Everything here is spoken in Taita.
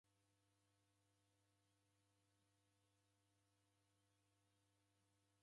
W'omi w'engi w'acha w'ikaendagha na w'ai w'atini.